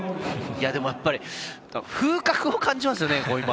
でもやっぱり風格を感じますよね。